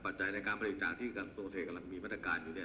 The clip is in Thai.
ปัจจัยในการผลิตจากที่การส่งเสริมกำลังมีบรรทการอยู่เนี่ย